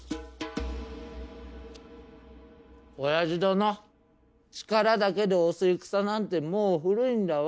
オヤジ殿力だけで押す戦なんてもう古いんだわ。